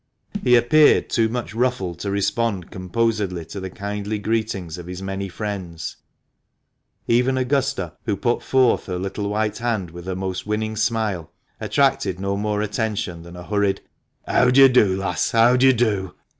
He appeared too much ruffled to respond composedly to the kindly greetings of his many friends ; even Augusta, who put forth her little white hand with her most winning smile, attracted no more attention than a hurried "How d'ye do, lass? How d'ye do?"